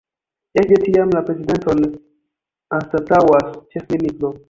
Ekde tiam, la prezidenton anstataŭas ĉefministro.